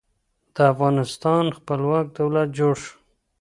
د افغانستان خپلواک دولت جوړ شو.